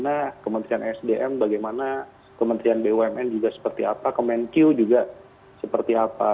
nah kementerian sdm bagaimana kementerian bumn juga seperti apa kemenq juga seperti apa